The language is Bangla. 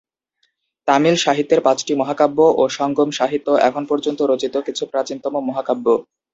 তামিল সাহিত্যের পাঁচটি মহাকাব্য ও সঙ্গম সাহিত্য এখন পর্যন্ত রচিত কিছু প্রাচীনতম মহাকাব্য।